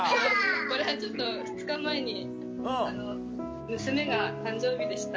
これはちょっと２日前に娘が誕生日でした。